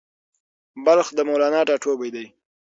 بلخ د مولانا ټاټوبی دی